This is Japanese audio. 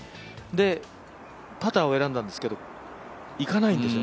で、パターを選んだんですけどいかないんですよ。